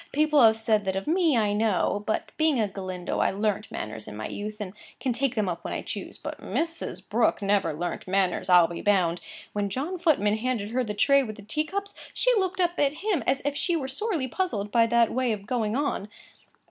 People have said that of me, I know. But, being a Galindo, I learnt manners in my youth and can take them up when I choose. But Mrs. Brooke never learnt manners, I'll be bound. When John Footman handed her the tray with the tea cups, she looked up at him as if she were sorely puzzled by that way of going on.